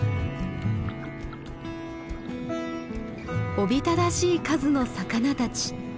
おびただしい数の魚たち。